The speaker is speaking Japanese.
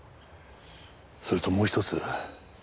それともう１つ。